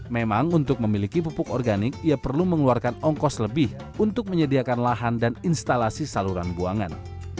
memang untuk memiliki pupuk organik ia perlu mengeluarkan ongkos lebih untuk menyediakan lahan dan instalasi saluran buangan